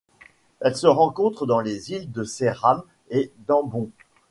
Elle se rencontre dans les îles de Céram et d'Ambon.